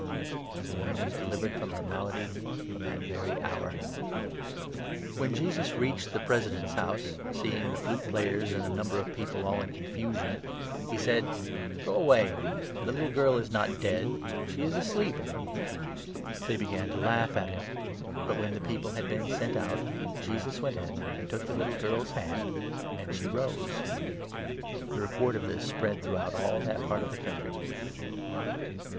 And the woman was delivered from her malady from that very hour. When Jesus reached the President's house, seeing 23 13 Hos. 6. 6. 20 Num. 15. 38. 58 MATTHEW, 9— 1O. the flute players, and a number of people all in confusion, he said: " Go a"way, the little girl is not dead ; she is asleep." 24 They began to laugh at him ; but, when the people had been 25 sent out, Jesus went in, and took the little girl's hand, and she rose. The report of this spread through all that 26 part of the country.